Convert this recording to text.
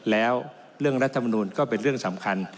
แล้วเรื่องรัฐมนูลก็เป็นเรื่องสำคัญ